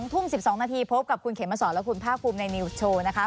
ทุ่ม๑๒นาทีพบกับคุณเขมสอนและคุณภาคภูมิในนิวส์โชว์นะคะ